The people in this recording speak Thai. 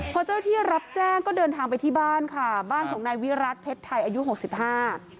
พอเจ้าที่รับแจ้งก็เดินทางไปที่บ้านค่ะบ้านของนายวิรัติเพชรไทยอายุหกสิบห้า